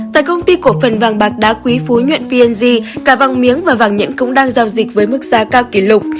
tại công ty cổ phần vàng bạc đá quý phú nhuận png cả vàng miếng và vàng nhẫn cũng đang giao dịch với mức giá cao kỷ lục